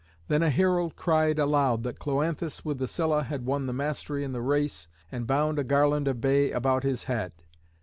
Then a herald cried aloud that Cloanthus with the Scylla had won the mastery in the race, and bound a garland of bay about his head.